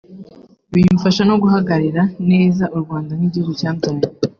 bimfasha no guhagararira neza u Rwanda nk’igihugu cyambyaye